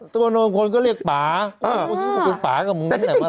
ตัวโดนคนก็เรียกป๋าคุณป๋ากับมึงนี่แหละว่าอะไร